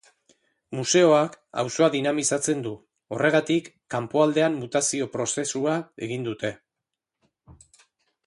Museoak auzoa dinamizatzen du horregatik kanpokaldean mutazio prozesua egin dute.